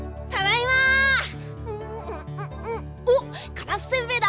カラスせんべいだ。